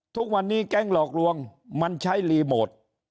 ทุกวันนี้แก๊งหลอกลวงมันใช้รีโมท